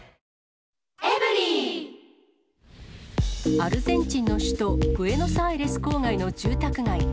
アルゼンチンの首都ブエノスアイレス郊外の住宅街。